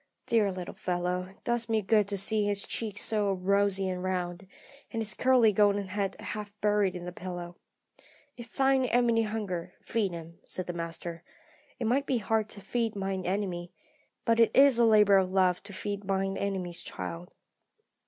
Dear little fellow; it does me good to see his cheeks so rosy and round, and his curly golden head half buried in the pillow. 'If thine enemy hunger, feed him,' said the Master. It might be hard to feed mine enemy, but it is a labour of love to feed mine enemy's child.